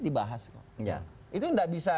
dibahas itu gak bisa